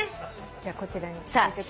じゃあこちらに。